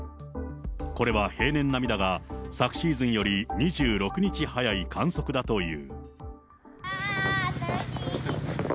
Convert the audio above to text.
これは平年並みだが、昨シーズンより２６日早い観測だという。